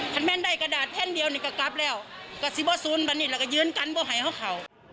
แค่นั้นแหละแค่คนเชื่อ